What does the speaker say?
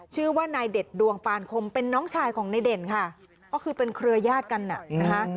ชื่อว่านายเด็ดดวงปานคมเป็นน้องชายของนายเด่นค่ะก็คือเป็นเครือยาศกันน่ะนะคะ